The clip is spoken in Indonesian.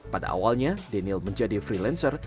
pada awalnya daniel menjadi freelancer